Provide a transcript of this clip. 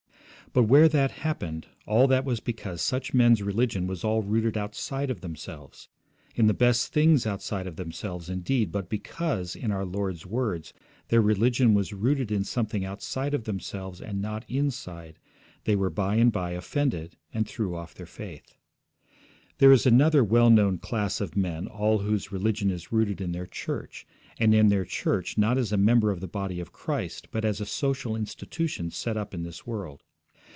But where that happened, all that was because such men's religion was all rooted outside of themselves; in the best things outside of themselves, indeed, but because, in our Lord's words, their religion was rooted in something outside of themselves and not inside, they were by and by offended, and threw off their faith. There is another well known class of men all whose religion is rooted in their church, and in their church not as a member of the body of Christ, but as a social institution set up in this world.